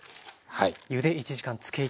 はい。